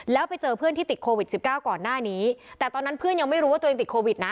แล้วไปเจอเพื่อนที่ติดโควิดสิบเก้าก่อนหน้านี้แต่ตอนนั้นเพื่อนยังไม่รู้ว่าตัวเองติดโควิดนะ